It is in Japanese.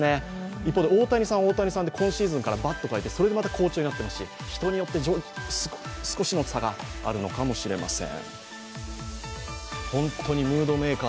一方で大谷さんは、大谷さんで今シーズンからバットをかえてそれでまた好調になってますし人によって少しの差があるのかもしれません。